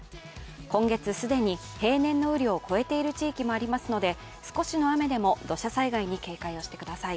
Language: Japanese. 今月、既に平年の雨量を超えている地域もありますので、少しの雨でも土砂災害に警戒をしてください。